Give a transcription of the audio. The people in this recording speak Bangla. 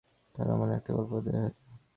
তাঁহার মনে একটা গল্পের উদয় হইল।